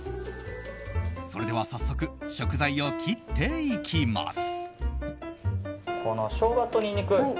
それでは早速食材を切っていきます。